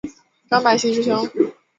张百熙之兄。